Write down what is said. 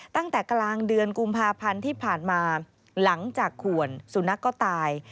ตั้งแต่กลางเดือนกุมภาพันธ์ที่ผ่านมาหลังจากขวนสุนัขก็ตาย